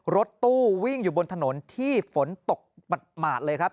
รถตู้วิ่งอยู่บนถนนที่ฝนตกหมาดเลยครับ